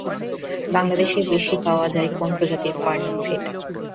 বাংলাদেশে বেশি পাওয়া যায় কোন প্রজাতির ফার্ন উদ্ভিদ?